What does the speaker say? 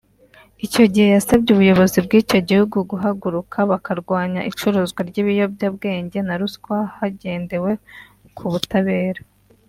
Icyo gihe yasabye ubuyobozi bw’icyo gihugu guhaguruka bakarwanya icuruzwa ry’ibiyobyabwenge na ruswa hagendewe ku butabera